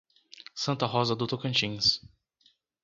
Santa Rosa do Tocantins